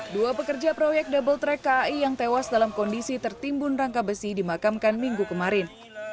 dua pekerja proyek double track kai yang tewas dalam kondisi tertimbun rangka besi dimakamkan minggu kemarin